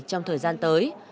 trong thời gian tới